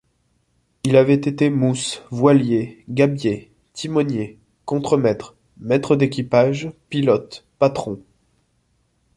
Il avait été mousse, voilier, gabier, timonier, contre-maître, maître d’équipage, pilote, patron.